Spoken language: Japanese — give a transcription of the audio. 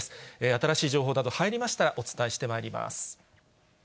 新しい情報など入りましたら、お伝えしてまいります。